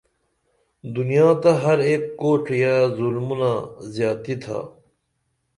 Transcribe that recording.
دنیا تہ ہر ایک کوڇیہ ظُلمونہ زیاتی تھا